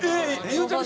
ゆうちゃみ